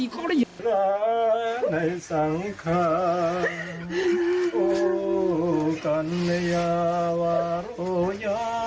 โน้อยความป้องกับคุณเหมือนเดียงหน่อย